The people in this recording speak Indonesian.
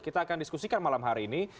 kita akan diskusikan malam hari ini